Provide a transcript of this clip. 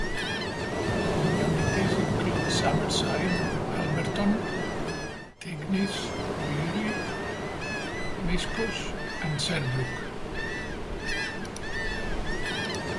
Communities include Summerside, Alberton, Tignish, O'Leary, Miscouche and Sherbrooke.